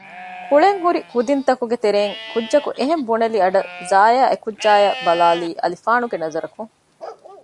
ކުޅެން ހުރި ކުދިންތަކުގެ ތެރެއިން ކުއްޖަކު އެހެން ބުނެލި އަޑަށް ޒާޔާ އެކުއްޖާއަށް ބަލާލީ އަލިފާނުގެ ނަޒަރަކުން